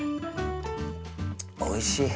おいしい。